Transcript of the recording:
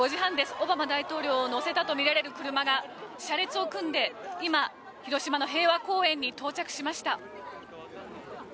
オバマ大統領を乗せたとみられる車が車列を組んで今、広島の平和公園に到着しました。